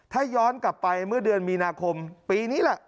ถ้าย้อนกลับไปเมื่อเดือนมีนาคมปีนี้แหละ